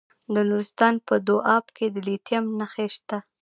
د نورستان په دو اب کې د لیتیم نښې شته.